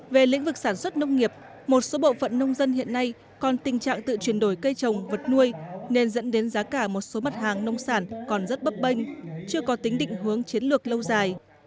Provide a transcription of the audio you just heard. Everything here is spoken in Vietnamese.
về lĩnh vực sản xuất nông nghiệp một số bộ phận nông dân hiện nay còn tình trạng tự chuyển đổi cây trồng vật nuôi nên dẫn đến giá cả một số mặt hàng nông sản còn rất bấp bênh chưa có tính định hướng chiến lược lâu dài